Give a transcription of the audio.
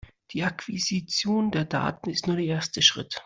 Die Akquisition der Daten ist nur der erste Schritt.